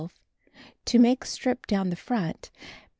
12. To make strip down the front.